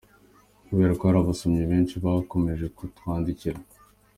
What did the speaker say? Kubera ko hari abasomyi benshi bakomeje kutwandikira .